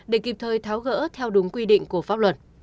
để kịp thời tháo gỡ theo đúng quy định của pháp luật